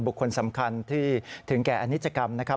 บุคคลสำคัญที่ถึงแก่อนิจกรรมนะครับ